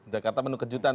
jakarta penuh kejutan